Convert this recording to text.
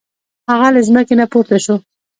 هغه له ځمکې نه پورته شو.